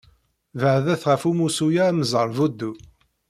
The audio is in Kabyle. Beɛdet ɣef umussu-a amẓerbeḍḍu.